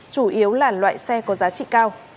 chủ yếu là loại xe có giá trị cao